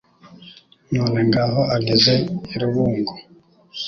None ngaho ageze i Rubungo.